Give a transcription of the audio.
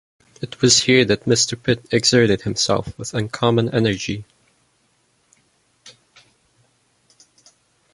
It was here that Mr. Pitt exerted himself with uncommon energy.